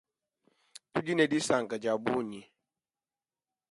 Tudi ne disanka diabunyi.